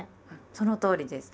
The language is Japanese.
そのとおりです。